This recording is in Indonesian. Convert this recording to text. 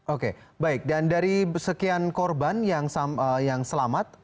oke baik dan dari sekian korban yang selamat